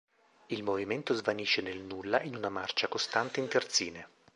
Il movimento svanisce nel nulla in una marcia costante in terzine.